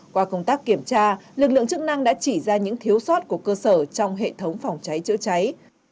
qua công tác kiểm tra lực lượng chức năng đã chỉ ra những thiếu sót của cơ sở trong hệ thống phòng cháy chữa cháy